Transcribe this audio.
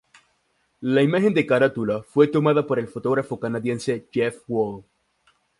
La imagen de carátula fue tomada por el fotógrafo canadiense Jeff Wall.